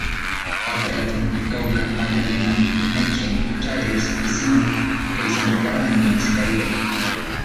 Atrato, Cauca, Magdalena, Nechí, Chagres y Sinú, que desembocan en el Caribe.